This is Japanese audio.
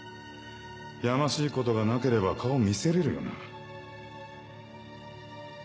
やましいことがなければ顔見せれるよな？